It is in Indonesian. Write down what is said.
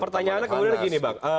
pertanyaannya kemudian gini bang